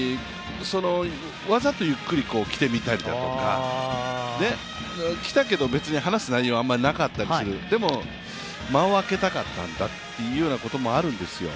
わざとゆっくり来てみたりだとか、来たけど別に離す内容はなかったりする、でも間をあけたかったんだということがあるわけですよ。